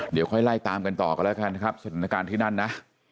เดี๋ยวค่อยไล่ตามกันต่อกันแล้วกันนะครับสถานการณ์ที่นั่นนะ